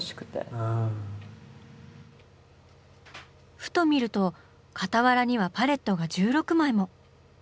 ふと見ると傍らにはパレットが１６枚も！